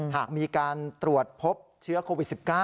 หากมีการตรวจพบเชื้อโควิด๑๙